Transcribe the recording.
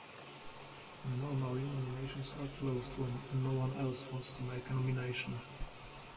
Normally, nominations are closed when no one else wants to make a nomination.